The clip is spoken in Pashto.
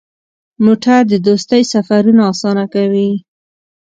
موټر د دوستۍ سفرونه اسانه کوي.